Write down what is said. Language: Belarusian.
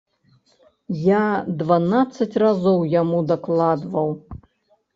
Я дванаццаць разоў яму дакладваў!